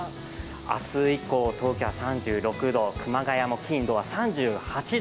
明日以降、東京は３６度、熊谷も金、土は３８度。